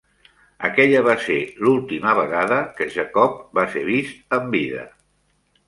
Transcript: Aquella va ser l'última vegada que Jacob va ser vist amb vida.